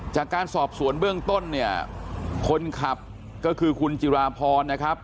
จากการสอบสวนเบื้องต้นเนี่ยคนขับก็คือคุณจิราพรนะครับ